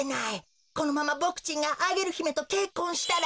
このままボクちんがアゲルひめとけっこんしたら。